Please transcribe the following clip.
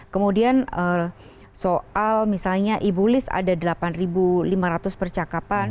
kemudian soal misalnya ibulis ada delapan lima ratus percakapan